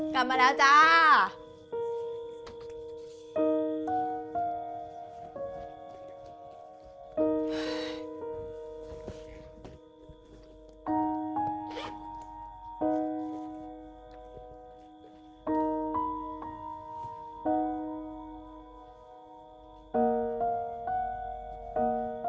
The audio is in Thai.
กลับมาแล้วจ้า